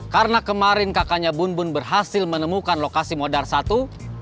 karena kemarin kakaknya bun bun berhasil menemukan lokasi modar satu